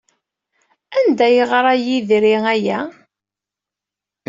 Anda ay yeɣra Yidri aya?